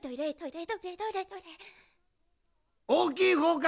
おおきいほうか？